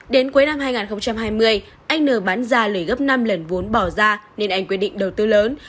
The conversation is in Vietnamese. đến cuối năm hai nghìn hai mươi anh n bán ra lời gấp năm lần vốn bỏ ra nên anh quyết định đầu tư lớn